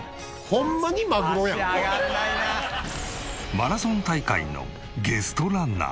マラソン大会のゲストランナー。